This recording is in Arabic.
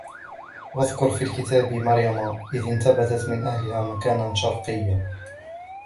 واذكر في الكتاب مريم إذ انتبذت من أهلها مكانا شرقيا